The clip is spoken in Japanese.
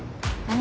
何？